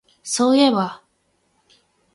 そういえば